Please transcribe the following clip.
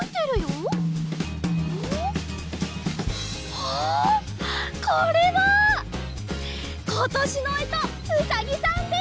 あこれはことしのえとうさぎさんです！